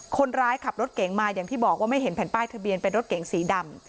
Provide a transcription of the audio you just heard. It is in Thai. คนขับรถเก๋งมาอย่างที่บอกว่าไม่เห็นแผ่นป้ายทะเบียนเป็นรถเก๋งสีดำ